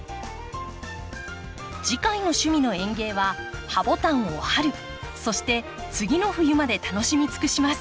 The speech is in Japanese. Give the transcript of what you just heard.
次回の「趣味の園芸」はハボタンを春そして次の冬まで楽しみつくします。